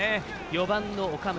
４番の岡村。